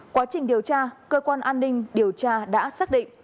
quá trình điều tra cơ quan an ninh điều tra đã xác định